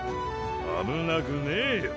危なくねえよ